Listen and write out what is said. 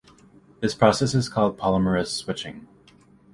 This process is called polymerase switching.